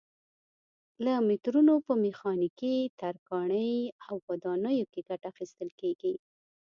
له مترونو په میخانیکي، ترکاڼۍ او ودانیو کې ګټه اخیستل کېږي.